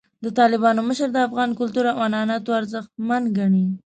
د طالبانو مشران د افغان کلتور او عنعناتو ارزښتمن ګڼي.